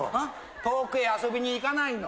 遠くへ遊びに行かないの。